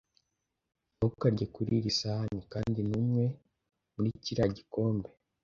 Ntukarye kuri iri sahani kandi ntunywe muri kiriya gikombe